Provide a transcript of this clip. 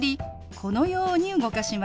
このように動かします。